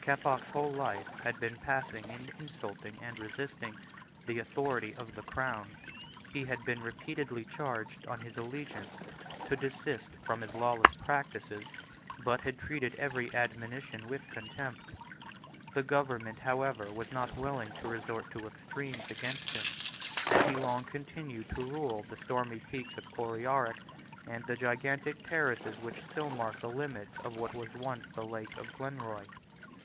Keppoch's whole life had been passed in insulting and resisting the authority of the Crown. He had been repeatedly charged on his allegiance to desist from his lawless practices, but had treated every admonition with contempt. The government, however, was not willing to resort to extremities against him; and he long continued to rule undisturbed the stormy peaks of Coryarrick, and the gigantic terraces which still mark the limits of what was once the Lake of Glenroy.